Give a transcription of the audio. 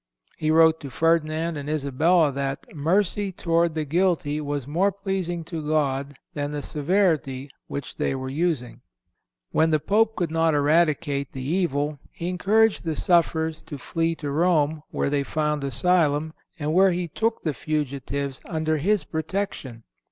He wrote to Ferdinand and Isabella that "mercy towards the guilty was more pleasing to God than the severity which they were using." When the Pope could not eradicate the evil he encouraged the sufferers to flee to Rome, where they found an asylum, and where he took the fugitives under his protection.